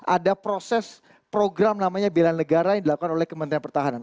ada proses program namanya bela negara yang dilakukan oleh kementerian pertahanan